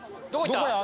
どこや？